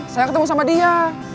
saya ketemu sama dia